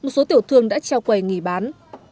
số tiểu thương đã treo quầy nghỉ bán